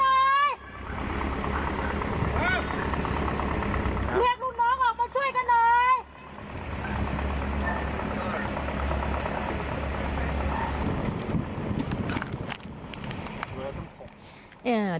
เรียกลูกน้องออกมาช่วยกันหน่อย